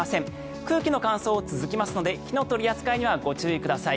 空気の乾燥は続きますので火の取り扱いにはお気をつけください。